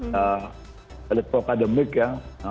kepada pro akademik ya